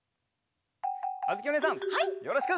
あづきおねえさんよろしく！